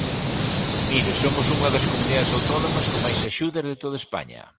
Mire, somos unha das comunidades autónomas con máis axudas de toda España.